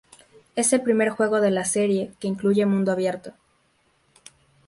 Es el primer juego de la serie que incluye mundo abierto.